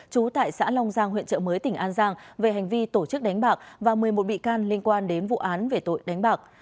trú tại xã long giang huyện trợ mới tỉnh an giang về hành vi tổ chức đánh bạc và một mươi một bị can liên quan đến vụ án về tội đánh bạc